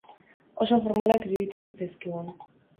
Oso formalak iruditu zitzaizkigun.